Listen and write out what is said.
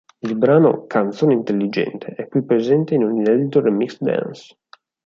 Il brano "Canzone intelligente" è qui presente in un inedito remix dance.